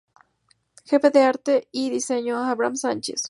Jefe de Arte y Diseño: Abraham Sánchez.